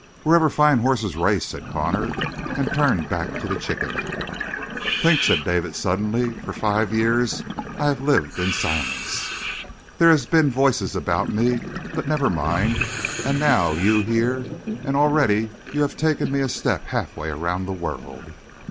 "Wherever fine horses race," said Connor, and turned back to the chicken. "Think," said David suddenly, "for five years I have lived in silence. There have been voices about me, but never mind; and now you here, and already you have taken me at a step halfway around the world.